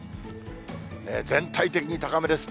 全体的に高めです。